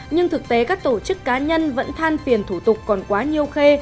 nhưng thực tế các tổ chức cá nhân vẫn than phiền thủ tục còn quá nhiêu khê